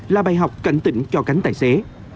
là bài học cạnh tỉnh cho cánh tài xế